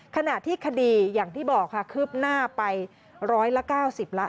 ขณะที่คดีอย่างที่บอกค่ะคืบหน้าไปร้อยละ๙๐ละ